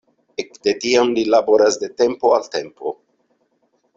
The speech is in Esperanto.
Ekde tiam li laboras de tempo al tempo.